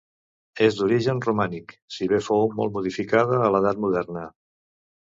És d'origen romànic, si bé fou molt modificada a l'edat moderna.